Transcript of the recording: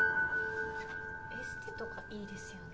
エステとかいいですよね。